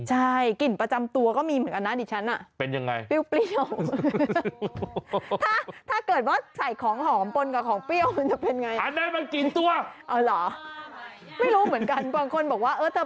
ใช่กลิ่นประจำตัวก็มีเหมือนกันนะดิฉัน